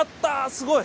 すごい。